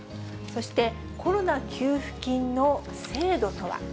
そしてコロナ給付金の制度とは。